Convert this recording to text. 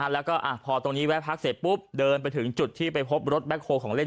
แล้วก็พอตรงนี้แวะพักเสร็จปุ๊บเดินไปถึงจุดที่ไปพบรถแคลของเล่น